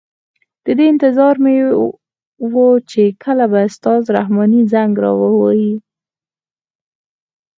د دې انتظار مې وه چې کله به استاد رحماني زنګ را وهي.